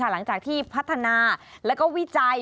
หลังจากที่พัฒนาแล้วก็วิจัย